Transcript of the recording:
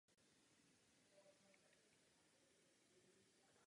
Především však je jeho úkolem ovládání všech palubních systémů na meziplanetární misi.